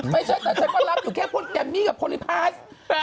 ไม่ใช่แต่ฉันก็รับอยู่แค่พวกแกมมี่กับโพลิพาส